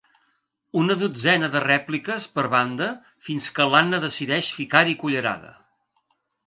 Una dotzena de rèpliques per banda fins que l'Anna decideix ficar-hi cullerada.